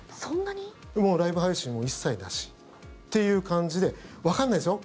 もうライブ配信も一切なしっていう感じでわかんないですよ